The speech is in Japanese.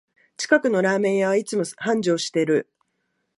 近くのラーメン屋はいつも繁盛してる